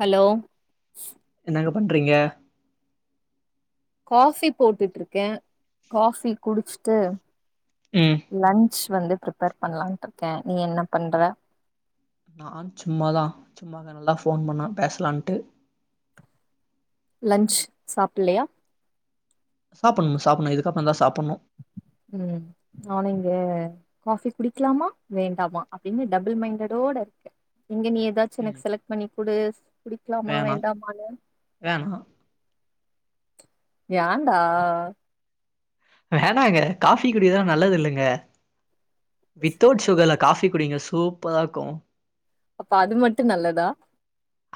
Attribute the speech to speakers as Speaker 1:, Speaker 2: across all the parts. Speaker 1: Hello
Speaker 2: என்னங்க பண்றீங்க
Speaker 1: coffee போட்டுட்டு இருக்கே காஃபி குடிச்சுட்டு
Speaker 2: ம்
Speaker 1: லன்ச் வந்து ப்ரிப்பேர் பண்ணலான்ட்டு இருக்கே நீ என்ன பண்ற
Speaker 2: நா சும்மாதா சும்மா நல்லா ஃபோன் பண்ணா பேசலான்ட்டு
Speaker 1: லஞ்ச் சாப்ல்லையா
Speaker 2: சாப்பன்னு சாப்பணும் இதுக்கப்றோ தா சாப்பிட்ணு
Speaker 1: ம் நானு இங்க காஃபி குடிக்லாமா வேண்டாமா அப்டின்னு டபுள் மைண்டடோட இருக்கே இங்க நீ ஏதாச்சு
Speaker 2: ம்
Speaker 1: எனக்கு செலக்ட் பண்ணி குடு குடிக்லாமா
Speaker 2: வேணா
Speaker 1: வேண்டாமானு
Speaker 2: வேணா
Speaker 1: யாண்டா
Speaker 2: வேணாங்க காஃபி குடிக்கிறதெல்லா நல்லது இல்லங்க வித்தவுட் சுகர்ல காஃபி குடிங்க சூப்பரா இருக்கூ
Speaker 1: அப்ப அது மட்டு நல்லதா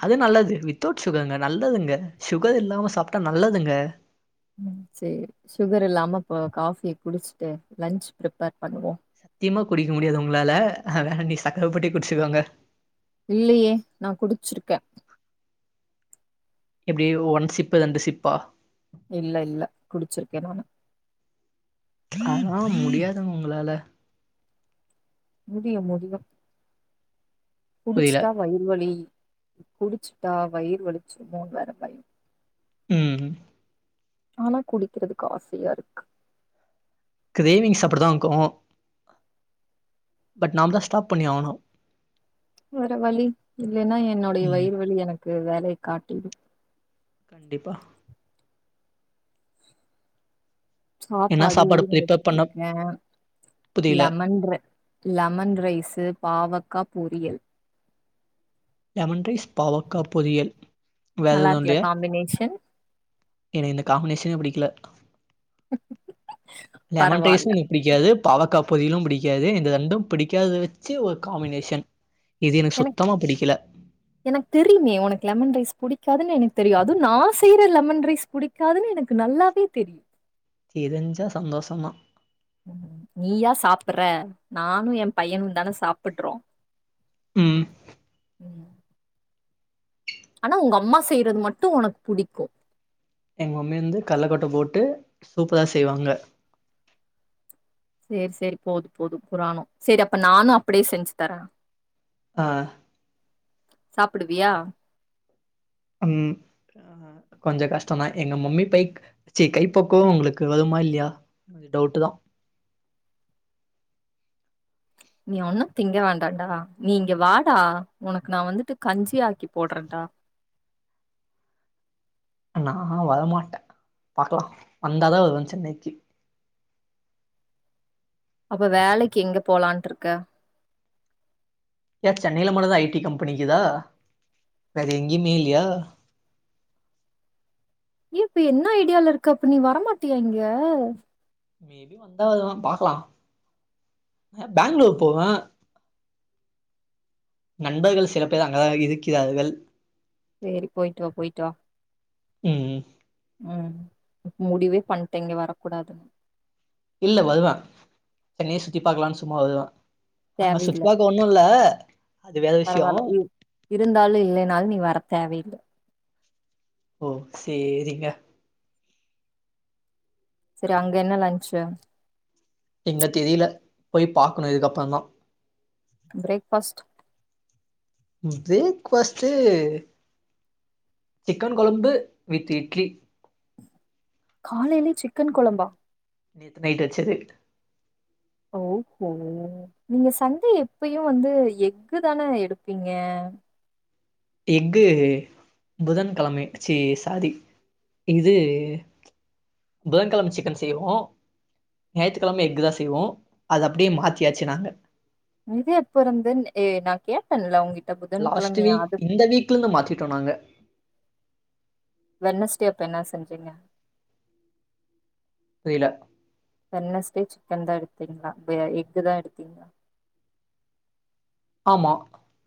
Speaker 2: அது நல்லது வித்தவுட் சுகருங்க நல்லதுங்க சுகர் இல்லாம சாப்ட்டா நல்லதுங்க
Speaker 1: ம் சேரி சுகர் இல்லாம இப்ப காஃபி குடிச்சிட்டு லன்ச் ப்ரிப்பேர் பண்ணுவோ
Speaker 2: த்தியமா குடிக்க முடியாது உங்களால வேண்டா நீ சக்கர போட்டே குடிச்சுக்கோங்க
Speaker 1: இல்லியே நா குடிச்சிருக்க
Speaker 2: எப்டி ஒன் சிப்பு ரெண்டு சிப்பா
Speaker 1: இல்ல இல்ல குடிச்சிருக்கே நானு
Speaker 2: ஆனா முடியாதுங்க உங்களால
Speaker 1: முடியு முடியு
Speaker 2: புரில
Speaker 1: குடிச்ட்டா வயிறு வலி குடிச்சுட்டா வயிறு வலிச்சுருமோணு வேற பயோ
Speaker 2: ம்
Speaker 1: ஆனா குடிக்கிறதுக்கு ஆசையா இருக்கு
Speaker 2: கிரேவிங்ஸ் அப்பிடி தாங்க்கூ பட் நாம் தா ஸ்டாப் பண்ணி ஆவனு
Speaker 1: வேற வழி இல்லேன்னா என்னோடைய
Speaker 2: ம்
Speaker 1: வயிறு வலி எனக்கு வேலய காட்டிடு
Speaker 2: கண்டிப்பா என்ன
Speaker 1: சாப்பாடு ஊற
Speaker 2: ப்ரிப்பேர் பண்ண
Speaker 1: வெச்சிருக்கே
Speaker 2: புரியல
Speaker 1: லெமன் ரை லெமன் ரைஸு பாவக்கா பொரியல்
Speaker 2: லெமன் ரைஸ் பாவக்கா பொரியல் வேற
Speaker 1: நல்லா
Speaker 2: எதுவு
Speaker 1: இருக்குல
Speaker 2: இல்லயா
Speaker 1: காம்பினேஷன்
Speaker 2: எனக்கு இந்த காம்மினேஷனே புடிக்கல லெமன் ரைஸு
Speaker 1: பரவால்ல
Speaker 2: நீ பிடிக்காது பாவக்கா பொரியலும் பிடிக்காது இந்த ரெண்டும் பிடிக்காதத வச்சி ஒரு காம்மினேஷன் இது எனக்கு சுத்தமா பிடிக்கல
Speaker 1: எனக்கு தெரியுமே ஒனக்கு லெமன் ரைஸ் புடிக்காதுனு எனக்கு தெரியு அது நா செய்யிற லெமன் ரைஸ் புடிக் காதுனு எனக்கு நல்லாவே தெரியு
Speaker 2: தெரிஞ்சா சந்தோஷமா
Speaker 1: நீயா சாப்பிற நானு என் பையனு தான சாப்பிட்றோ
Speaker 2: ம்
Speaker 1: ம் ஆனா உங்க அம்மா செய்யிறது மட்டு ஒனக்கு புடிக்கூ
Speaker 2: எங்க மம்மி வந்து கல்லக்கொட்ட போட்டு சூப்பரா செய்வாங்க
Speaker 1: சேரி சேரி போது போது புராணொ செரி அப்ப நானு அப்டியே செஞ்சு தர
Speaker 2: ஆ
Speaker 1: சாப்டுவியா
Speaker 2: ம் கொஞ்சோ கஷ்டொந்தா எங்க மம்மி பைக் கைப்பக்குவோ உங்குளுக்கு வருமா இல்லியா டவுட்டு தா
Speaker 1: நீ ஒன்னு திங்க வேண்டாடா நீ இங்க வாடா உனக்கு நா வந்துட்டு கஞ்சி ஆக்கி போட்றன்டா
Speaker 2: நா வரமாட்ட பாக்லா வந்தாதா வருவ சென்னைக்கி
Speaker 1: அப்ப வேலைக்கு எங்க போலான்ட்ருக்க
Speaker 2: ய சென்னையில மட்டு தா ஐ டி கம்பெனி க்குதா வேற எங்கியுமே இல்லியா
Speaker 1: ஏ இப்ப என்ன ஐடியால இருக்க அப்ப நீ வரமாட்டியா இங்க
Speaker 2: மேபி வந்தா இதலா பாக்கலா பேங்களூர் போவ நண்பர்கள் சில பேர் அங்கதான இருக்கிறார்கள்
Speaker 1: சேரி போயிட்டு வா போயிட்டு வா
Speaker 2: ம்
Speaker 1: ம் முடிவே பண்ட்ட இங்க வரக்கூடாதுனு
Speaker 2: இல்ல வருவ சென்னைய சுத்தி பாக்கலான்னு சும்மா வருவ அங்க சுத்தி பாக்க ஒன்னுல்ல
Speaker 1: பரவால இருந்தாலு இல்லனாலு நீ வர தேவையில்ல
Speaker 2: ஓ சேரிங்க
Speaker 1: செரி அங்க என்ன லன்ச்சு
Speaker 2: எங்க தெரில போய் பாக்கணு இதுக்கப்பறோ தா
Speaker 1: பிரேக்ஃபாஸ்ட்
Speaker 2: பிரேக்ஃபாஸ்ட்டு சிக்கன் கொழம்பு வித் இட்லி
Speaker 1: காலையிலே சிக்கன் கொழம்பா
Speaker 2: நேத்து நைட்டு வச்சது
Speaker 1: ஓஹோ நீங்க சன்டே எப்பயு வந்து எஃகுதான எடுப்பீங்க
Speaker 2: எஃகு புதன் கெழமை இச்சி சாரி இது புதன்கெழம சிக்கன் செய்வோ ஞாயித்துக்கெழம எஃகு தா செய்வோ அது அப்படியே மாத்தியாச்சு நாங்க
Speaker 1: நிது எப்ப இருந்து நெ ஏ நா கேட்டல உங்கிட்ட புதன்கெழமையா அது
Speaker 2: தூங்க மாத்திட்டோ நாங்க
Speaker 1: வென்னஸ்டே அப்ப என்ன செஞ்சீங்க
Speaker 2: புரில
Speaker 1: வென்னஸ்டே சிக்கன் தா எடுத்தீங்களா வே எஃகு தா எடுத்தீங்களா
Speaker 2: ஆமா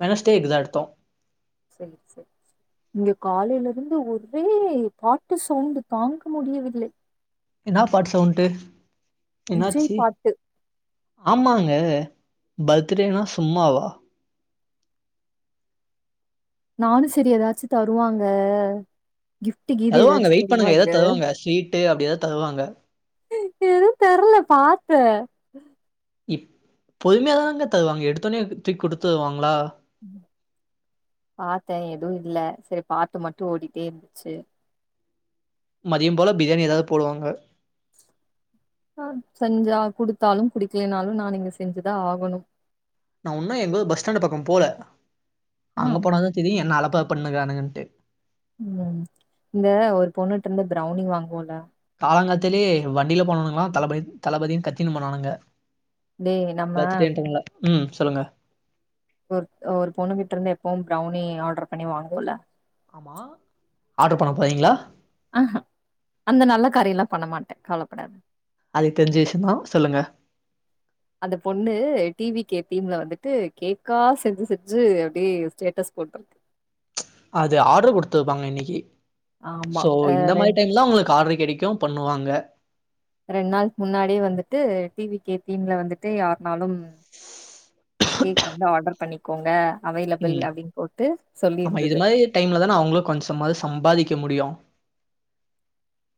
Speaker 2: வென்னஸ்ட்டே எஃகு தா எடுத்தோ
Speaker 1: சேரி சேரி இங்க காலையில இருந்து ஒரே பாட்டு சவுண்ட் தாங்க முடியவில்லை
Speaker 2: என்னா பாட்டு சவுண்டு
Speaker 1: விஜய்
Speaker 2: என்னாச்சி
Speaker 1: பாட்டு.
Speaker 2: ஆமாங்க பர்த்டேனா சும்மாவா
Speaker 1: நானு செரி எதாச்சு தருவாங்க கிஃப்ட் கீது
Speaker 2: தருவாங்க
Speaker 1: எதாச்சு
Speaker 2: வெயிட் பண்ணுங்க ஏதா
Speaker 1: தருவாங்க
Speaker 2: ஸ்வீட்டு அப்டி ஏதா தருவாங்க
Speaker 1: எது தரல பாத்த
Speaker 2: இப் பொருமையா தானங்க தருவாங்க எடுத்தொன்னே தூக்கி குடுத்துருவாங்களா
Speaker 1: பாத்தே எதுவு இல்ல செரி பாட்டு மட்டு ஓடிட்டே இருந்துச்சு
Speaker 2: மதியோ போல பிரியாணி எதாவது போடுவாங்க
Speaker 1: ஆ செஞ்சா குடுத்தாலு குடிக்கலனாலு நானு இங்க செஞ்சுதா ஆகணும்
Speaker 2: நா உன்மைய எம்பது பஸ் ஸ்டாண்ட் பக்கோ போல
Speaker 1: ஆ
Speaker 2: அங்க போனா தா தெரியு என்ன அலப்பற பண்ணுக்கறானுங்கன்ட்டு
Speaker 1: ம் இங்க ஒரு பொண்ணுட்டுருந்து ப்ரௌனி வாங்குவோல்ல
Speaker 2: காலங்காத்தாலயே வண்டீல போனானுங்களா தளபதி தளபதியின்னு கத்தின்னு போண்ணானுங்க
Speaker 1: டேய் நம்ம
Speaker 2: படுத்துட்டே இன்னு தூங்கல ம் சொல்லுங்க
Speaker 1: ஒரு ஒரு பொண்ணு கிட்ட இருந்து எப்பவு ப்ரௌனி ஆர்டர் பண்ணி வாங்குவோல
Speaker 2: ஆமா ஆர்டரு பண்ண போரீங்களா
Speaker 1: ஆஹா அந்த நல்ல காரியோல்லா பண்ணமாட்ட கவலப்படாத
Speaker 2: அது தெரிஞ்ச விஷ்யந்தா சொல்லுங்க
Speaker 1: அந்த பொண்ணு டி வி கே டீம்ல வந்துட்டு கேக்கா செஞ்சு செஞ்சு அப்டியே ஸ்டேட்டஸ் போட்ருக்கு
Speaker 2: அது ஆர்ட்ரு குடுத்துருப்பாங்க இன்னைக்கு
Speaker 1: ஆமா
Speaker 2: சோ
Speaker 1: அ
Speaker 2: இந்த மாரி
Speaker 1: ரெண்
Speaker 2: டைம்லா அவுங்ளுக்கு ஆர்ட்ரே கெடைக்கு பண்ணுவாங்க
Speaker 1: ரெண்நாள்க் முன்னாடியே வந்துட்டு டி வி கே டீம்ல வந்து ட்டு யார்னாலும் கேக் வந்து ஆர்டர் பண்ணி கோங்க அவைலபிள் அப்டின் போட்டு சொல்லிருந்தது
Speaker 2: டைம்லதான அவுங்குளு கொன்சமாது சம்பாதிக்க முடியு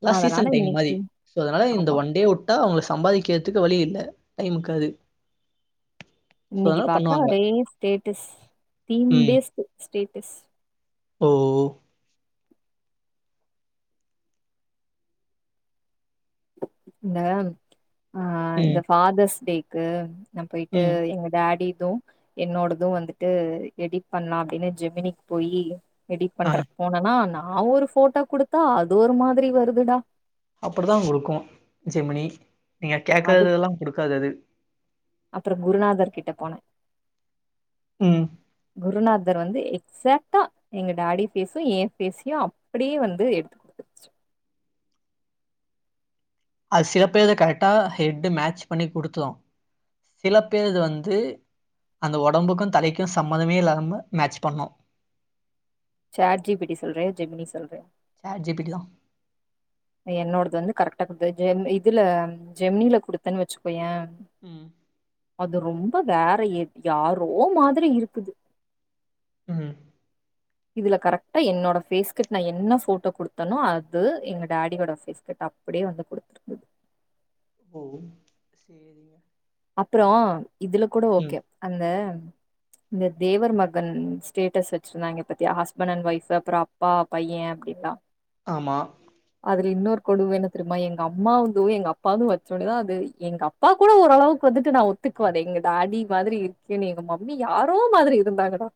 Speaker 2: இலா
Speaker 1: அதனால
Speaker 2: சீசன் டைம் மாரி
Speaker 1: இன்னைக்கி
Speaker 2: சோ அதனால இந்த
Speaker 1: ஆமா
Speaker 2: ஒன் டே உ ட்டா அவ்ங்க சம்பாதிக்கற்துக்கு வழி இல்ல டைம் இர்காது
Speaker 1: இன்னைக்கு பாத்தா ஒரே ஸ்டேட்டஸ்
Speaker 2: ம்
Speaker 1: திங்டேஸ்க்கு ஸ்டேட்டஸ்
Speaker 2: ஓ
Speaker 1: இந்த ஆ இந்த
Speaker 2: ம்
Speaker 1: ஃபாதர்ஸ் டேக்கு நா போய்ட்டு
Speaker 2: ம்
Speaker 1: எங்க டாடிது என்னோடது வந்துட்டு எடிட் பண்லா அப்டினு ஜெமினிக் போயி எடிட்
Speaker 2: ஆ
Speaker 1: பண்ற போனனா நா ஒரு ஃபோட்டோ குடுத்தா அது ஒரு மாதிரி வருதுடா
Speaker 2: அப்புடுதா குடுக்கு ஜெமினி நீங்க கேட்கறதெல்லா குடுக்காது அது
Speaker 1: அப்புறம் குருநாதர் கிட்ட போன
Speaker 2: ம்
Speaker 1: குருநாதர் வந்து எக்சாக்ட்டா எங்க டாடி ஃபேஸு ஏன் ஃபேஸ்யு அப்டியே வந்து எடுத்து குடுத்துருச்சு
Speaker 2: அது சிலபேர்து கரெட்டா ஹெட்டு் மேச் பண்ணி குடுத்துரு சிலப்பேர்து வந்து அந்த ஒடம்புக்கு தலைக்கு சம்மதமே இல்லாம மேட்ச் பண்ணு
Speaker 1: சாட் ஜி பி டி சொல்றயா ஜெமினி சொல்றயா
Speaker 2: சாட் ஜி பி டி தா
Speaker 1: என்னோடது வந்து கரெக்ட்டா குடுத்தது ஜெம் இதுல ஜெம்னில குடுத்தேன் வச்சுக்கோய
Speaker 2: ம்
Speaker 1: அது ரொம்ப வேற எத் யாரோ மாதிரி இருக்குது
Speaker 2: ம்
Speaker 1: இதுல கரெக்ட்டா என்னோட ஃபேஸ் கட் நா என்ன ஃபோட்டோ குடுத்தனோ அது எங்க டாடியோட ஃபேஸ் கட் அப் புடே வந்து குடுத்து
Speaker 2: ஓ சேரிங்க
Speaker 1: அப்புறோ இதுல கூட
Speaker 2: ம்
Speaker 1: ஓகே அந்த இந்த தேவர் மகன் ஸ்டேட்டஸ் வச்சிர்ந்தாங்யே பாத்தியா ஹஸ்பண் அண் ஒய்ஃபு அப்புறோ ப்பா பையேன் அப்டின்லா
Speaker 2: ஆமா
Speaker 1: அதுல இன்னொர் கொடும என்ன தெரிமா எங்க அம்மாவுது எங்க அப்பாது வச் ஒட்னேதா அது எங்க அப்பா கூட ஒரளவு க்கு வந்துட்டு நா ஒத்துக்குவ அது எங்க டாடி மாதிரி இருக்கேனு எங்க மம்மி யாரோ மாதிரி இருந்தாங்கடா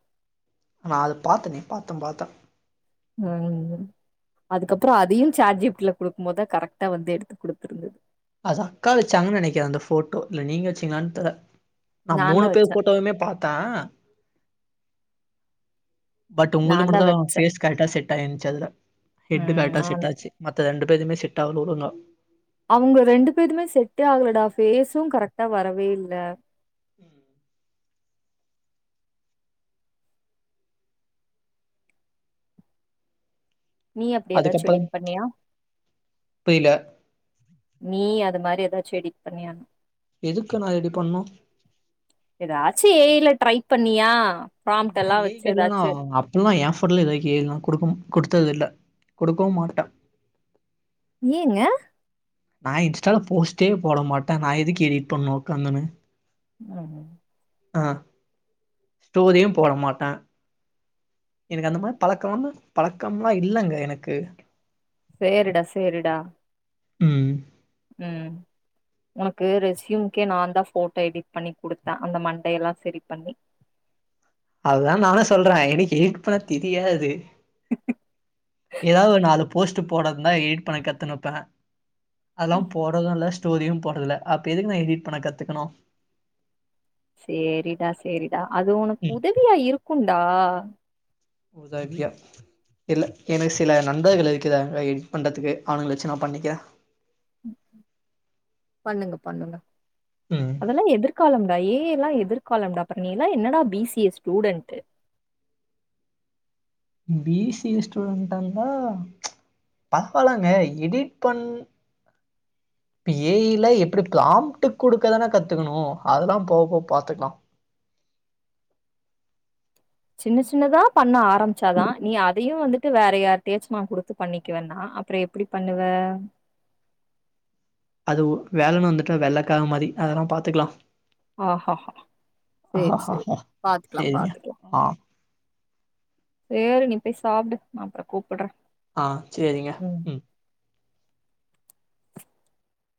Speaker 2: நா அது பாத்தனே பாத்தன் பாத்த
Speaker 1: ம் அதுக்கப்புறோ அதையு சாட் ஜீப்ட்ல குடுக்குமோதா கரெக்ட்டா வந்து எடுத்து குடுத்து
Speaker 2: அது அக்கா வச்சாங்கன் நெனக்கிற அந்த ஃபோட்டோ இல்ல நீங்க வச்சீங்ளான் தெர்ல நா மூணு
Speaker 1: நான்தா
Speaker 2: பேர்
Speaker 1: வச்சே
Speaker 2: ஃபோட்டோவுமே பாத்த பட் ஒங்குள்து
Speaker 1: நான்தா
Speaker 2: மட்டுதா
Speaker 1: வச்சே
Speaker 2: ஃபேஸ் கரெக்ட்டா செட் ஆய்ர்ந்ச்சு அதுல ஹெட்டு
Speaker 1: ம்
Speaker 2: கரெக்ட்டா
Speaker 1: நான்
Speaker 2: செட்டாச்சு மத்த ரெண்டு பேருதுமே செட் ஆகல ஒழுங்கா
Speaker 1: அவுங்க ரெண்டு பேதுமே செட்டே ஆகலடா பேஸு கரெக்டா வரவே இல்ல நீ அப்டி எதாச்சு
Speaker 2: அதுக்கப்பறம்
Speaker 1: எடிட் பண்ணியா
Speaker 2: புரில
Speaker 1: நீ அது மாரி எதாச்சு எடிட் பண்ணியா
Speaker 2: எதுக்கு நா ரெடிப் பண்ணு
Speaker 1: எதாச்சு ஏ ஐ ல ட்ரைப் பண்ணியா ப்ராம்ப்ட்டெல்லா வச்சு எதாச்சு
Speaker 2: இப்பல்லா எ போட்லா எது வைக்க ஏ ஐ லா குடுக்கும் குடுத்தது இல்ல குடுக்கவும் மாட்டே
Speaker 1: ஏங்க
Speaker 2: நா இன்ஸ்டாலப் போஸ்ட்டே போட மாட்டே நா எதுக்கு எடிட் பண்ணு உக்காந்துனு
Speaker 1: ம்
Speaker 2: ஆ ஸ்டோரியும் போட மாட்டே எனக்கு அந்த மாரி பழக்கோ ஒன்னு பழக்கம்லா இல்லங்க எனக்கு
Speaker 1: சேரிடா சேரிடா
Speaker 2: ம்
Speaker 1: ம் உனக்கு ரெஸ்யூம்க்கே நாந்தா போட்டோ எடிட் பண்ணி குடுத்தே அந்த மண்டை எல்லா செரிப் பண்ணி
Speaker 2: அதா நானே சொல்றே எனிக்கு எடிட் பண்ணத் தெரியாது
Speaker 1: ம்ஹ் ம்ஹ்
Speaker 2: எதாவ் ஒரு நாலு போஸ்ட்டு போடந்தா எடிட் பண்ண கத்துனுப்பே அதுலாம் போடது இல்லச் டோரியும் போடதில அப்ப எதுக்கு நா எடிட் பண்ண கத்துக்கணு
Speaker 1: சேரிடா சேரிடா அது உனுக்
Speaker 2: ம்
Speaker 1: உதவியா இருக்குன்டா
Speaker 2: உதவியா இல்ல எனக்கு சில நண்பர்கள் இருக்கிறாங்க எடிட் பண்றதுக்கு அவனுங்ள வச்சு நா பண்ணிக்றே
Speaker 1: பண்ணுங்க பண்ணுங்க
Speaker 2: ம்
Speaker 1: அதெலா எதிர்காலம் ரையே எல்லா எதிர்காலம்டா அப்பறோ நீலா என்னடா B C A student
Speaker 2: B C A ஸ்டூடெண்டாந்தா பத்வாலாங்க எடிட் பண் இப்ப எ யி லா எப்டி பிளாம்ட்டுக் குடுக்கதானே கத்துகுணு அதெலாம் போவ் போவ் பாத்துக்லா
Speaker 1: சின்ன சின்னதா பண்ண ஆரம்ச்சாதா நீ அதையு வந்துட்டு வேற யார்ட்டியாச்சு நா குடுத்து பண்ணிக்குவேணா அப்றோ எப்டி பண்ணுவே
Speaker 2: அதுவு வேலன்னு வந்துட்டா வெள்ளக்கார மாரி அதெலாம் பாத்துக்லா
Speaker 1: ஆஹாஹா சேரி சேரி பாத்துக்கலாம்
Speaker 2: சேரிங்க
Speaker 1: பாத்துக்கலாம்
Speaker 2: ஆ
Speaker 1: சேரி நீ போய் சாப்டு நா அப்றோ கூப்பட்றே
Speaker 2: ஆ சேரிங்க ம்